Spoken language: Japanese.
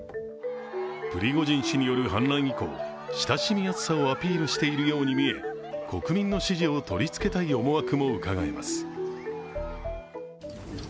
プリゴジン氏による反乱以降、親しみやすさをアピールしているように見え、国民の支持を取りつけたい思惑もうかがえます。